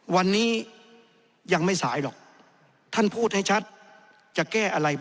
วันนี้ยังไม่สายหรอก